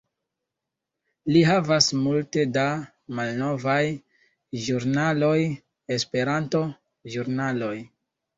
Li havas multe da malnovaj ĵurnaloj, Esperanto-ĵurnaloj